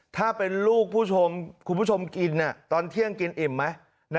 ถ้าเป็นลูกผู้ชมคุณผู้ชมกินตอนเที่ยงกินอิ่มไหม